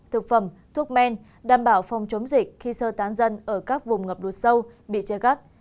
thực phẩm thuốc men đảm bảo phòng chống dịch khi sơ tán dân ở các vùng ngập lụt sâu bị chê gác